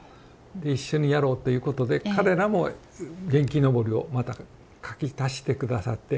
一緒にやろうということで彼らも元気のぼりをまたかき足して下さって。